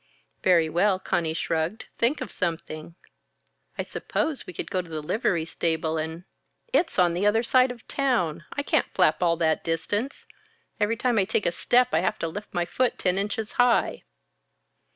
"Very well," Conny shrugged. "Think of something." "I suppose we could go to the livery stable and " "It's on the other side of town I can't flap all that distance. Every time I take a step, I have to lift my foot ten inches high."